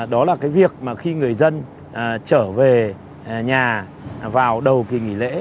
đó là việc khi người dân trở về nhà vào đầu kỳ nghỉ lễ